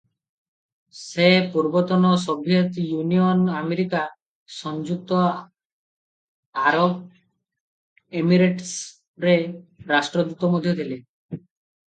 ସେ ପୂର୍ବତନ Soviet Union, America, ସଂଯୁକ୍ତ ଆରବ ଏମିରେଟ୍ସରେ ରାଷ୍ଟ୍ରଦୂତ ମଧ୍ୟ ଥିଲେ ।